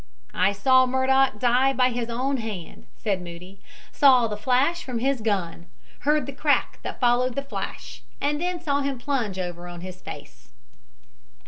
"I saw Murdock die by his own hand," said Moody, "saw the flash from his gun, heard the crack that followed the flash and then saw him plunge over on his face."